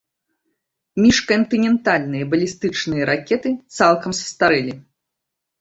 Міжкантынентальныя балістычныя ракеты цалкам састарэлі.